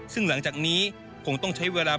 ซึ่งหลังจากนี้คงต้องใช้เวลา